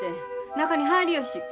中に入りよし。